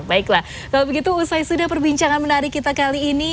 baiklah kalau begitu usai sudah perbincangan menarik kita kali ini